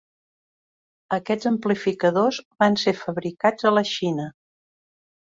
Aquests amplificadors van ser fabricats a la Xina.